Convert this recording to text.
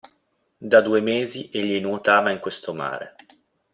Da due mesi egli nuotava in questo mare.